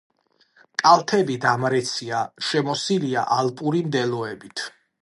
კალთები დამრეცია, შემოსილია ალპური მდელოებით.